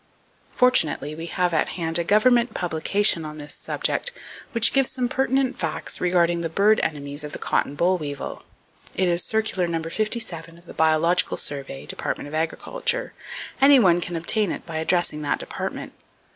Fortunately we have at hand a government publication on this subject which gives some pertinent facts regarding the bird enemies of the cotton boll weevil. It is Circular No. 57 of the Biological Survey, Department of Agriculture. Any one can obtain it by addressing that Department.